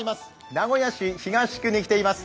名古屋市東区に来ています。